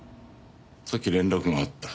さっき連絡があった。